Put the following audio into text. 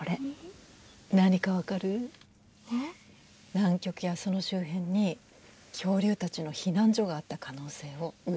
南極やその周辺に恐竜たちの避難所があった可能性を裏付ける証拠。